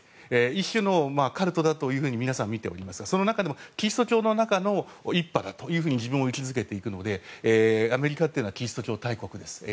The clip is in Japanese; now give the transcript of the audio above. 一種のカルトだと皆さんはみておりますがその中でもキリスト教の中の一派だと自分を位置付けていくのでアメリカというのはキリスト教大国です。